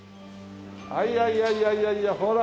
いやいやいやいやほら。